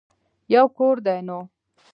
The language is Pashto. يو کور دی نو.